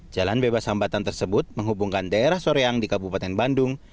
jalan bebas hambatan tersebut menghubungkan daerah soreang di kabupaten bandung